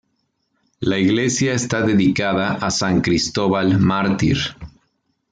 La iglesia está dedicada a san Cristóbal Mártir.